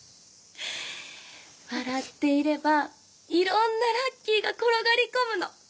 笑っていればいろんなラッキーが転がり込むの！